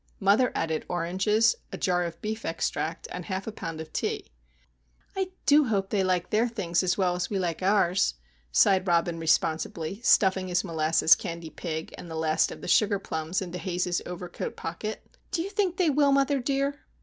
Mother added oranges, a jar of beef extract, and half a pound of tea. "I do hope they will like their things as well as we like ours," sighed Robin responsibly, stuffing his molasses candy pig and the last of the sugar plums into Haze's overcoat pocket. "Do you think they will, mother dear?"